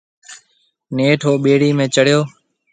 نيٺ او ٻيڙِي ۾ چڙھيَََو۔